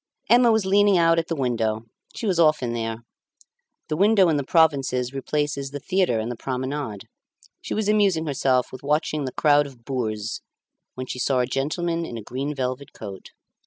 Emma was leaning out at the window; she was often there. The window in the provinces replaces the theatre and the promenade, she was amusing herself with watching the crowd of boors when she saw a gentleman in a green velvet coat.